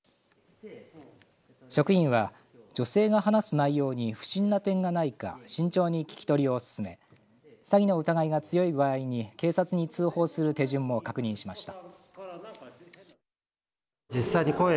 職員は、女性が話す内容に不審な点がないか慎重に聞き取りを進め詐欺の疑いが強い場合に警察に通報する手順も確認しました。